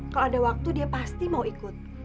kalau ada waktu dia pasti mau ikut